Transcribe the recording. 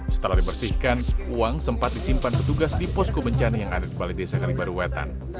setelah dibersihkan uang sempat disimpan petugas di posko bencana yang ada di balai desa kalibaru wetan